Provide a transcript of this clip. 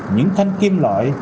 những thanh kim loại